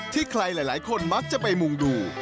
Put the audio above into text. ที่ใครหลายคนมักจะไปมุ่งดู